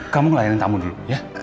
kamu ngelayanin tamu dulu ya